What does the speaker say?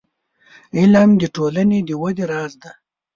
• علم، د ټولنې د ودې راز دی.